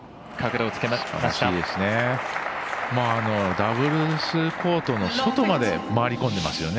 ダブルスコートの外まで回り込んでますよね。